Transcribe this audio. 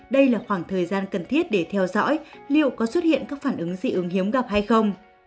đây là khoảng thời gian cần thiết để theo dõi liệu có xuất hiện các phản ứng dị ứng hiếm gặp hay không